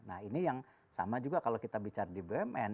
nah ini yang sama juga kalau kita bicara di bumn